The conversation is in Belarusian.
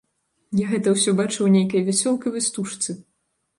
Я гэта ўсё бачу ў нейкай вясёлкавай стужцы.